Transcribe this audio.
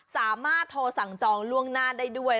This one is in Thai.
สามารถโทรสั่งจองล่วงหน้าได้ด้วย